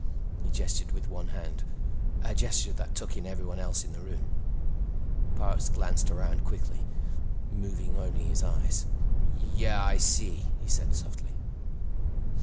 He gestured with one hand—a gesture that took in everyone else in the room. Parks glanced around quickly, moving only his eyes. "Yeah. I see," he said softly.